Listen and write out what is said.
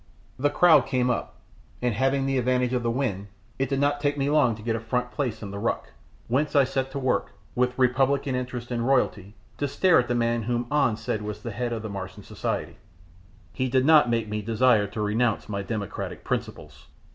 The crowd came up, and having the advantage of the wind, it did not take me long to get a front place in the ruck, whence I set to work, with republican interest in royalty, to stare at the man who An said was the head of Martian society. He did not make me desire to renounce my democratic principles.